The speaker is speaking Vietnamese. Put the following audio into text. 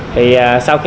thì sau khi